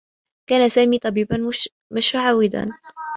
كان سامي طبيبا مشعوذا.